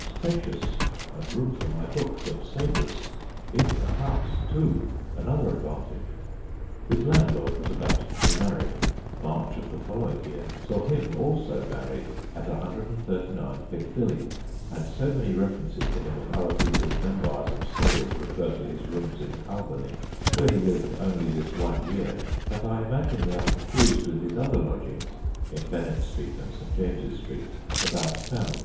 Spacious, and room for my books and sabres. In the house, too, another advantage/ His landlord was about to be married. March of the following year saw him also married at 139 Piccadilly, and so many references to him in other people's memoirs and stories refer to his rooms in Albany, where he lived only this one year, that I imagine they are confused with his other lodgings in Bennet Street and St. 92 THE GHOSTS OF PICCADILLY James's Street about town.